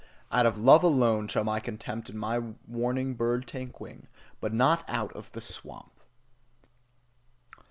Out of love alone shall my contempt and my warning bird take wing; but not out of the swamp!